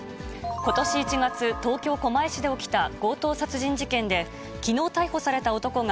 ことし１月、東京・狛江市で起きた強盗殺人事件で、きのう逮捕された男が、